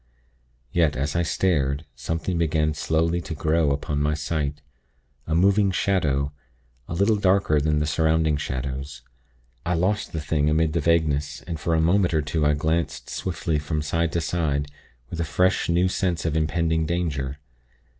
Yet, as I stared, something began slowly to grow upon my sight a moving shadow, a little darker than the surrounding shadows. I lost the thing amid the vagueness, and for a moment or two I glanced swiftly from side to side, with a fresh, new sense of impending danger.